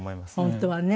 本当はね。